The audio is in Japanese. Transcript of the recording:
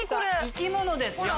生き物ですよ